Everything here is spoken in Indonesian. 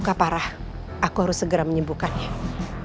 baiklah aku akan menjadi muridmu